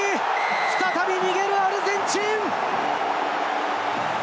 再び逃げるアルゼンチン。